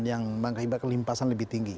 yang mengakibat kelimpasan lebih tinggi